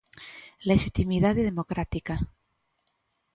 Lexitimidade democrática.